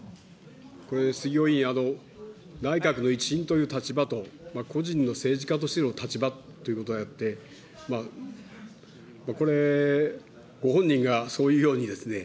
これ、杉尾委員、内閣の一員という立場と、個人の政治家としての立場ということであって、これ、ご本人がそういうようにですね、